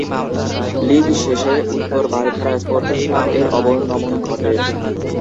লীগ শেষে উত্তর বারিধারা স্পোর্টিং ক্লাব-এর অবনমন ঘটে।